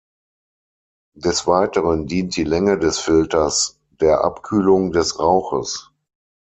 Des Weiteren dient die Länge des "Filters" der Abkühlung des Rauches.